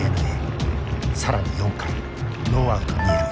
更に４回ノーアウト二塁。